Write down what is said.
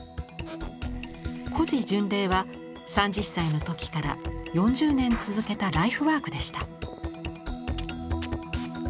「古寺巡礼」は３０歳の時から４０年続けたライフワークでした。